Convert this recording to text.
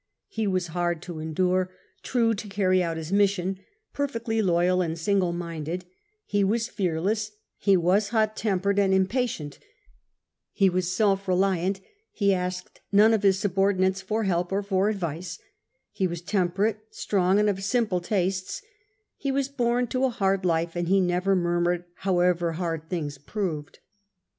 Ho was hard to endure, true to carry out his mission, perfectly loyal and single minded, ho was fearless, he was hot tempered and impatient, he was self reliant, he asked none of his subordinates for help or for advice, he was temperate, strong, and of simple tastes, he M^as born to a hard life, and he never murmured however hard things proved.